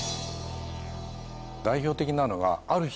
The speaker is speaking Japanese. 代表的なのがある日